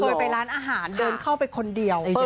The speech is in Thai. ไปร้านอาหารเดินเข้าไปคนเดียว